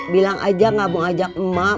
bilang aja gak mau ajak emak